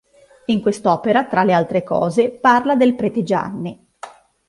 In quest'opera, tra le altre cose, parla del Prete Gianni.